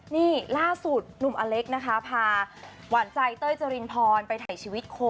นี่ล่าสุดหนุ่มอเล็กนะคะพาหวานใจเต้ยจรินพรไปถ่ายชีวิตโค